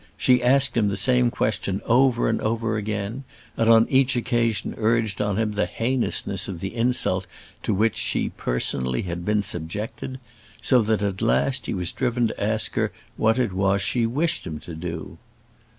She asked him the same question over and over again, and on each occasion urged on him the heinousness of the insult to which she personally had been subjected; so that at last he was driven to ask her what it was she wished him to do.